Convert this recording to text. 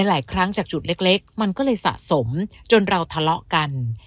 หลายครั้งจากจุดเล็กมันก็เลยสะสมจนเราทะเลาะกัน